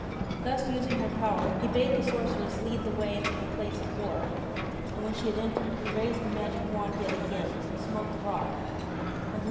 Thus, using her power, he bade the sorceress lead the way into the place of horror, and when she had entered, he raised the magic wand yet again, and smote the rock ; and lo